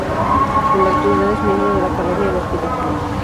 En la actualidad, es Miembro de la Academia de Arquitectura.